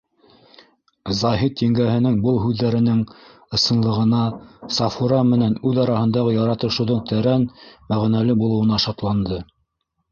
Заһит еңгәһенең был һүҙҙәренең ысынлығына, Сафура менән үҙ араһындағы яратышыуҙың тәрән мәғәнәле булыуына шатланды.